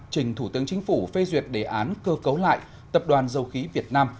trình thủ tướng chính phủ phê duyệt đề án cơ cấu lại tập đoàn dầu khí việt nam